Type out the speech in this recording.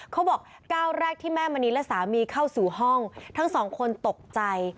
เขาบอกก้าวแรกที่แม่มณีและสามีเข้าสู่ห้องทั้งสองคนตกใจ